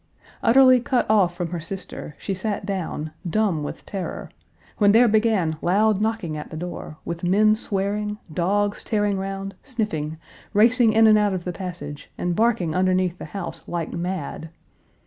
Utterly cut off from her sister, she sat down, dumb with terror, when there began loud knocking at the door, with men swearing, dogs tearing round, sniffing, racing in and out of the passage and barking underneath the house like mad.